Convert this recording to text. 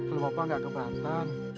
kalau bapak gak kembatan